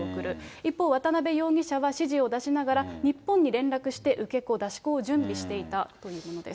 一方、渡辺容疑者は指示を出しながら、日本に連絡して、受け子、出し子を準備していたというものです。